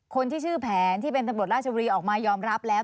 คนที่ชื่อแผนที่เป็นตำรวจราชบุรีออกมายอมรับแล้ว